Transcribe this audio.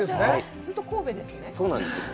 ずっと神戸なんですね？